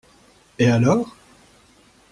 Et alors?